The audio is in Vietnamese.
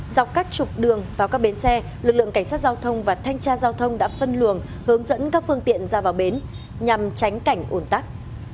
dọc các trục đường vào các bến xe lực lượng cảnh sát giao thông và thanh tra giao thông đã phân luồng hướng dẫn các phương tiện ra vào bến nhằm tránh cảnh ủn tắc